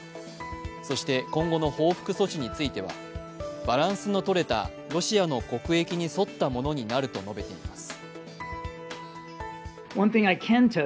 そして今後の報復措置についてはバランスのとれたロシアの国益に沿ったものになると述べています。